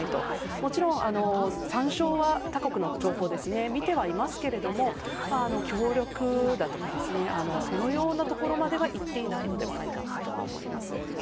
もちろん他国の情報は見ていますが協力だとかそのようなところまではいっていないのではないかと思います。